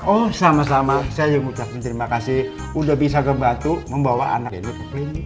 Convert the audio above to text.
oh sama sama saya juga ucapkan terima kasih udah bisa membantu membawa anak ini ke klinik